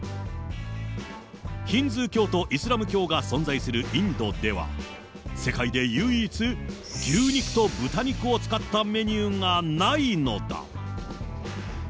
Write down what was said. ヒンズー教とイスラム教が存在するインドでは、世界で唯一、牛肉と豚肉を使ったメニューがないのだ。